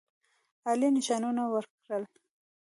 عالي نښانونه ورکړل.